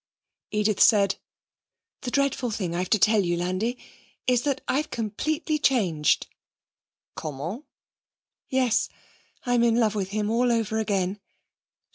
Edith said: 'The dreadful thing I've to tell you, Landi, is that I've completely changed.' 'Comment?' 'Yes. I'm in love with him all over again.'